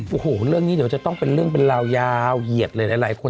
โอ้โหเรื่องนี้เดี๋ยวจะต้องเป็นเรื่องเป็นราวยาวเหยียดเลยหลายคน